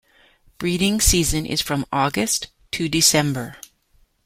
Breeding season is from August to December.